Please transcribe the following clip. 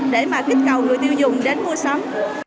để mà kích cầu người tiêu dùng đến mua sắm